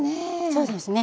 そうですね。